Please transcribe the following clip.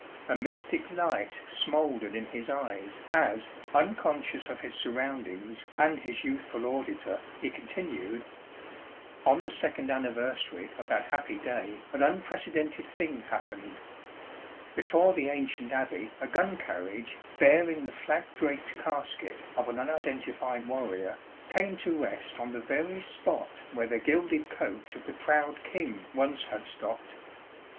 A mystic light smouldered in his eyes as, unconscious of his surroundings and his youthful auditor, he continued: "On the second anniversary of that happy day an unprecedented thing happened. Before the ancient Abbey a gun carriage, bearing the flag draped casket of an unidentified warrior, came to rest on the very spot where the gilded coach of the proud King once had stopped.